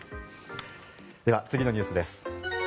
では次のニュースです。